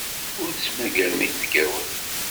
Ur tettmagarem inebgawen.